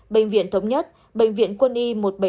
bệnh viện thống nhất bệnh viện quân y một trăm bảy mươi năm